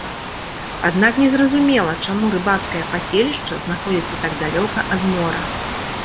Аднак незразумела чаму рыбацкае паселішча знаходзіцца так далёка ад мора.